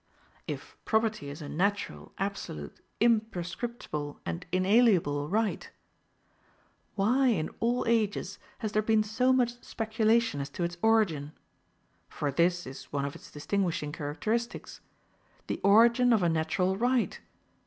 If property is a natural, absolute, imprescriptible, and inalienable right, why, in all ages, has there been so much speculation as to its origin? for this is one of its distinguishing characteristics. The origin of a natural right!